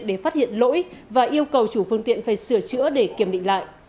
để phát hiện lỗi và yêu cầu chủ phương tiện phải sửa chữa để kiểm định lại